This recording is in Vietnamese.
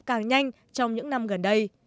càng nhanh trong những năm gần đây